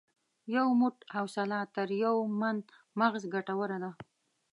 یو موټ حوصله تر یو من مغز ګټوره ده.